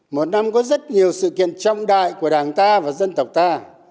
một năm có rất nhiều sự kiện trọng đại của đảng ta và dân tộc ta